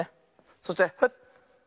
そしてフッ。